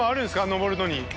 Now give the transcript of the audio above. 上るのに。